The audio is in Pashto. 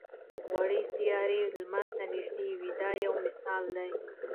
وړې سیارې لمر ته نږدې وي دا یو مثال دی.